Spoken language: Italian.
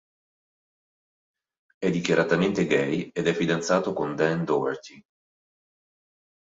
È dichiaratamente gay ed è fidanzato con Dan Doherty.